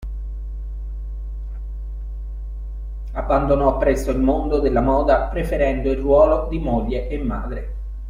Abbandonò presto il mondo della moda preferendo il ruolo di moglie e madre.